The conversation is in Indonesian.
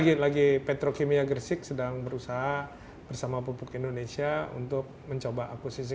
nah ini lagi petrochimia gersik sedang berusaha bersama pupuk indonesia untuk mencoba akusisi